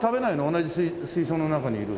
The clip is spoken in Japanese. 同じ水槽の中にいる。